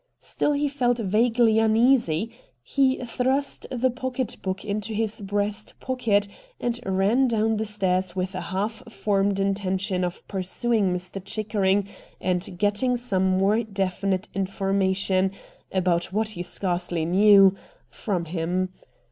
Still he felt vaguely uneasy. He thrust the pocket book into his breast pocket and ran down the stairs with a half formed inten tion of pursuing Mr. Chickering and getting some more definite information — about what, he scarcely knew — from him.